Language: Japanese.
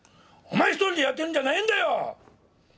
お前一人でやってるんじゃねえんだよ！